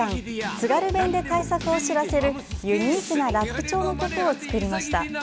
津軽弁で対策を知らせるユニークなラップ調の曲を作りました。